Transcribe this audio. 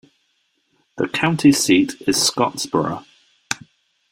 The county seat is Scottsboro.